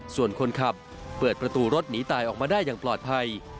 ส่วนคนขับเปิดประตูรถหนีตายออกมาได้อย่างปลอดภัย